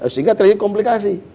sehingga terjadi komplikasi